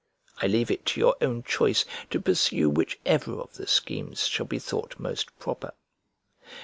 I leave it to your own choice to pursue whichever of the schemes shall be thought most proper.